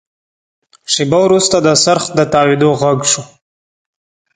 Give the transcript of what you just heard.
شېبه وروسته د څرخ د تاوېدو غږ شو.